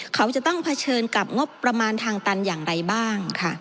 เขาจะต้องเผชิญกับงบประมาณทางตันอย่างไรบ้างค่ะ